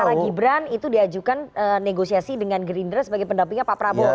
karena gibran itu diajukan negosiasi dengan gerindra sebagai pendampingnya pak prabowo